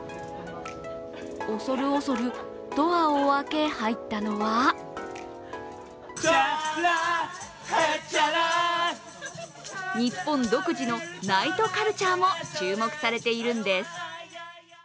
恐る恐るドアを開け、入ったのは日本独自のナイトカルチャーも注目されているんです。